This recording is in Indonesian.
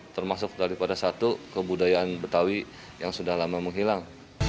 termasuk daripada satu kebudayaan betawi yang sudah lama menghilang